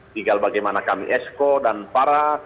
tinggal bagaimana kami exo dan para kelompok